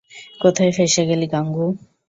কোথায় ফেঁসে গেলি গাঙু!